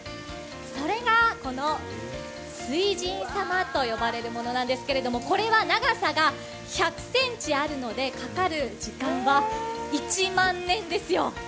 それがこの水神様と呼ばれるものなんですけれども、これは長さが１００ｃｍあるのでかかる時間は１万年ですよ。